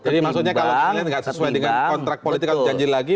jadi maksudnya kalau pilihan enggak sesuai dengan kontrak politik yang dijanjikan lagi